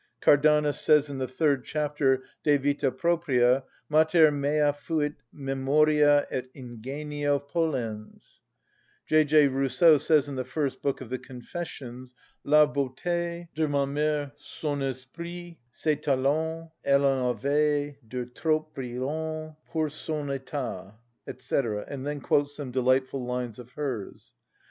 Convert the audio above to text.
Cardanus says in the third chapter, "De vita propria:" "Mater mea fuit memoria et ingenio pollens." J. J. Rousseau says in the first book of the "Confessions:" "_La beauté de ma mère, son __ esprit, ses talents,—elle en avait de trop brillans pour son état_," &c., and then quotes some delightful lines of hers.